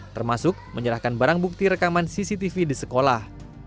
termasuk menyerahkan barang bukti rekaman cctv di sekolah